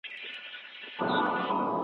زه ستا په مینه، زه په تا، او ته په ما مغروره